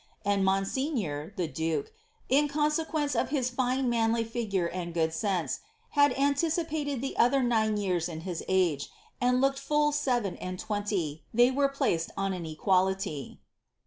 and monseigneur, the dnke, in consequence of his fine manly ligureaDd good sense, had anticipated the other nhie years in his age, and iookeii lull seven and twenty, ihey were placed on an equality."'